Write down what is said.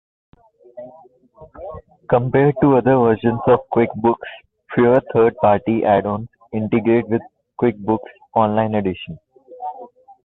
Compared to other versions of QuickBooks, fewer third-party add-ons integrate with QuickBooks Online Edition.